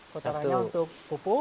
kotorannya untuk pupuk